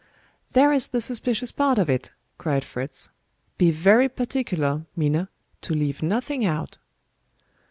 "There is the suspicious part of it," cried Fritz. "Be very particular, Minna, to leave nothing out."